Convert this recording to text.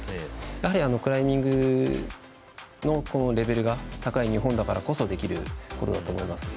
やはり、クライミングのレベルが高い日本だからこそできることだと思いますね。